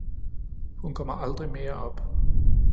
Hun kommer aldrig mere op